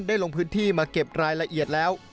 ลงพื้นที่มาเก็บรายละเอียดแล้ว